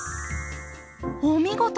お見事。